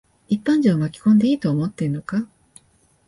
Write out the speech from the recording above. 一般人を巻き込んでいいと思ってんのか。